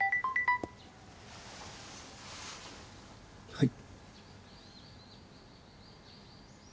はい。